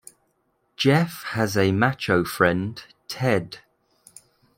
Jeff has a macho friend, Ted.